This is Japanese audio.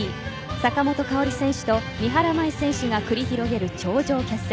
坂本花織選手と三原舞依選手が繰り広げる頂上決戦。